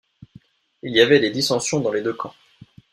Il y avait des dissensions dans les deux camps.